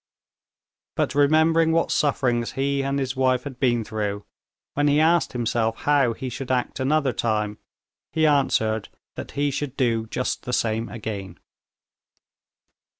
But remembering what sufferings he and his wife had been through, when he asked himself how he should act another time, he answered that he should do just the same again.